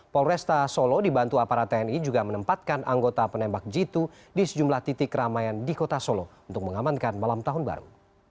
polresta solo dibantu aparat tni juga menempatkan anggota penembak jitu di sejumlah titik keramaian di kota solo untuk mengamankan malam tahun baru